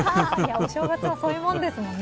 お正月はそういうものですもんね。